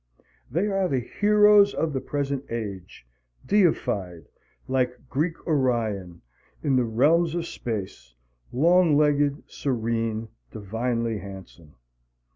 They are the heroes of the present age, deified, like Greek Orion, in the realms of "space" long legged, serene, divinely handsome.